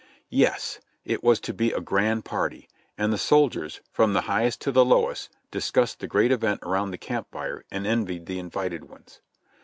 Yes ! It was to be a grand party, and the soldiers, from the highest to the lowest, discussed the great event around the camp fire and envied the invited ones.